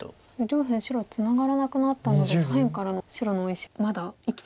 上辺白はツナがらなくなったので左辺からの白の大石まだ生きてないと。